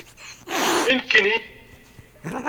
I nekkni?